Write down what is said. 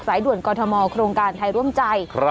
ด่วนกรทมโครงการไทยร่วมใจ